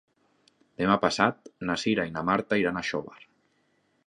Demà passat na Cira i na Marta iran a Xóvar.